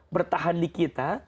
bertahan di kita